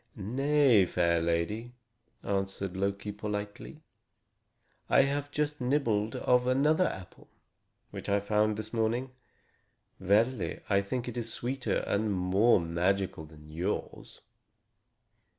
"Nay, fair lady," answered Loki politely, "I have just nibbled of another apple, which I found this morning. Verily, I think it is sweeter and more magical than yours."